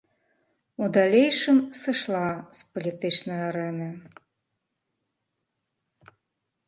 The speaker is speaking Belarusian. У далейшым сышла з палітычнай арэны.